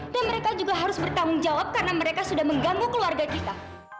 dan mereka juga harus bertanggung jawab karena mereka sudah mengganggu keluarga kita